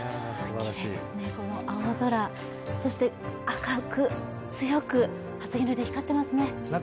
きれいですね、青空そして赤く強く初日の出が光ってますね。